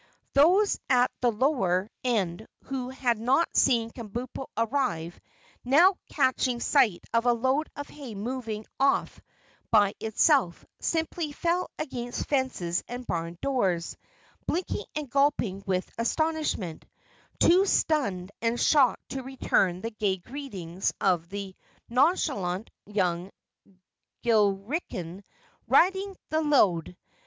Those at the lower end who had not seen Kabumpo arrive, now catching sight of a load of hay moving off by itself, simply fell against fences and barn doors, blinking and gulping with astonishment, too stunned and shocked to return the gay greetings of the nonchalant young Gilliken riding the load.